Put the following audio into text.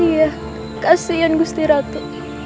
iya kasihan gusti ratu